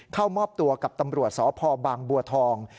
เข้ามอบตัวกับตำรวจสพบางบัวทอง